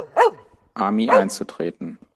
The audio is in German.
Army einzutreten.